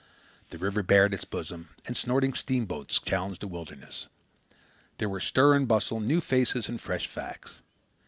The river bared its bosom, and snorting steamboats challenged the wilderness. There were stir and bustle, new faces, and fresh facts.